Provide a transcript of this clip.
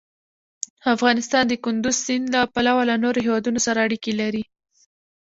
افغانستان د کندز سیند له پلوه له نورو هېوادونو سره اړیکې لري.